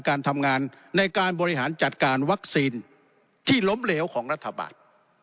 การทำงานในการบริหารจัดการวัคซีนที่ล้มเหลวของรัฐบาล